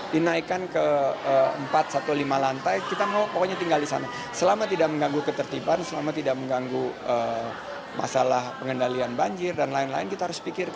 dinaikkan ke empat atau lima lantai kita mau pokoknya tinggal di sana selama tidak mengganggu ketertiban selama tidak mengganggu masalah pengendalian banjir dan lain lain kita harus pikirkan